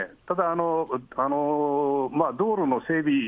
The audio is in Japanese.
ただ、道路の整備